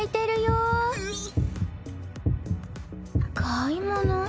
買い物？